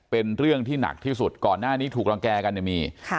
เป็นเรื่องที่หนักที่สุดก่อนหน้านี้ถูกรังแก่กันเนี่ยมี